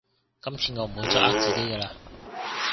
今次我唔會再呃自己㗎喇